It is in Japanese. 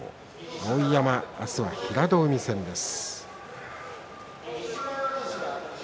碧山は明日、平戸海戦です。